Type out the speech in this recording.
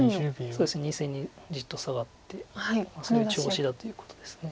そうですね２線にじっとサガってそれが調子だということです。